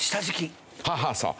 はあはあそう。